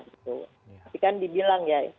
itu itu kan dibilang ya